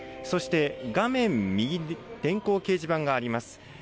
そして画面右に電光掲示板があります。